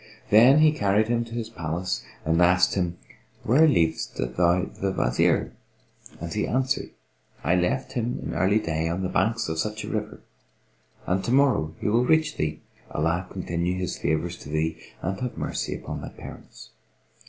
Then he carried him to his palace and asked him, "Where leavedst thou the Wazir?"; and he answered, "I left him in early day on the banks of such a river and To morrow he will reach thee, Allah continue his favours to thee and have mercy upon thy parents!"